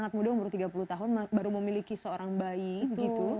anak muda umur tiga puluh tahun baru memiliki seorang bayi gitu